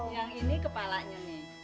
yang ini kepalanya